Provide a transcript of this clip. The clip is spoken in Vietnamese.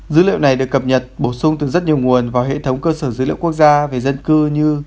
dữ liệu này được cập nhật bổ sung từ rất nhiều nguồn vào hệ thống cơ sở dữ liệu quốc gia về dân cư như